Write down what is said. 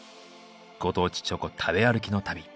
ご当地チョコ食べ歩きの旅。